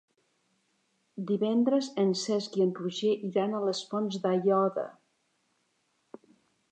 Divendres en Cesc i en Roger iran a les Fonts d'Aiòder.